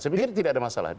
sebenarnya tidak ada masalah